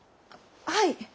はい！